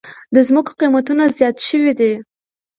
د زمکو قيمتونه زیات شوي دي